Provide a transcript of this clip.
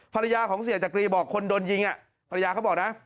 ภรรยาของเสียจักรีบอกคนโดนยิงภรรยาเขาบอกนะ